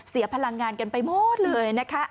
พลังงานกันไปหมดเลยนะคะ